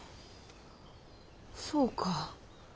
そうか。